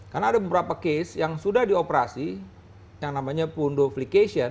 karena ada beberapa case yang sudah dioperasi yang namanya pundoflication